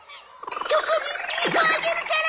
チョコビ２個あげるから！